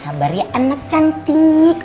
sabar ya anak cantik